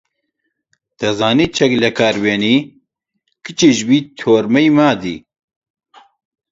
دەزانی چەک لەکار بێنی، کچیش بی تۆرمەی مادی